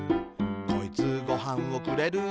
「こいつ、ご飯をくれる」